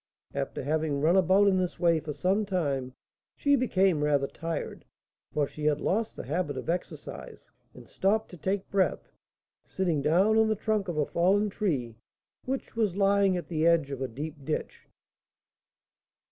After having run about in this way for some time, she became rather tired, for she had lost the habit of exercise, and stopped to take breath, sitting down on the trunk of a fallen tree which was lying at the edge of a deep ditch.